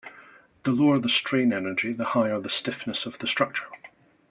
The lower the strain energy the higher the stiffness of the structure.